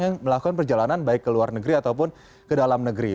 yang melakukan perjalanan baik ke luar negeri ataupun ke dalam negeri